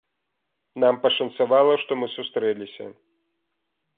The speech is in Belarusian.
Нам пашанцавала, што мы сустрэліся.